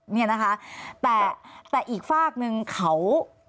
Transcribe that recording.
เนี่ยนะคะแต่แต่อีกฝากนึงเขา